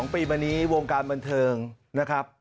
๒ปีมานี้วงการบันเทิงนะครับ